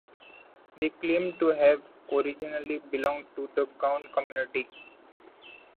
They claim to have originally belonged to the Gond community.